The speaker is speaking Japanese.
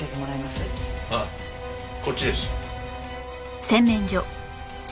ああこっちです。